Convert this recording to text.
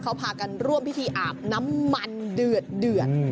เขาพากันร่วมพิธีอาบน้ำมันเดือด